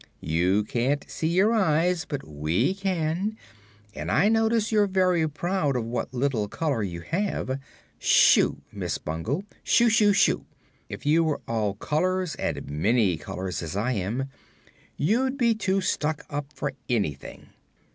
You can't see your eyes, but we can, and I notice you're very proud of what little color you have. Shoo, Miss Bungle, shoo shoo shoo! If you were all colors and many colors, as I am, you'd be too stuck up for anything."